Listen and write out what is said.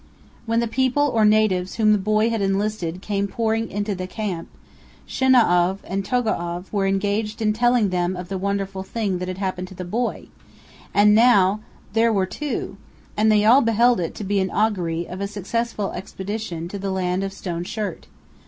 When the people or natives whom the boy had enlisted came pouring into the camp, Shinau'av and Togo'av were engaged in telling them of the wonderful thing that had happened to the boy, and that now there were two; and they all held it to be an augury of a successful expedition to the land of Stone Shirt.